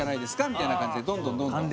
みたいな感じでどんどんどんどん。